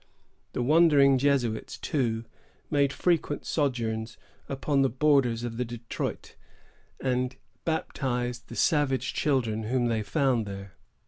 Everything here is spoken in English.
The wandering Jesuits, too, made frequent sojourns upon the borders of the Detroit, and baptized the savage children whom they found there.